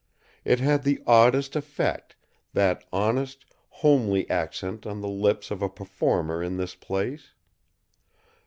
It had the oddest effect, that honest, homely accent on the lips of a performer in this place.